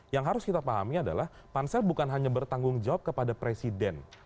yang harus kita pahami adalah pansel bukan hanya bertanggung jawab kepada presiden